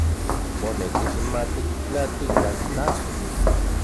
Monekis matiktlatikan tlajsoli.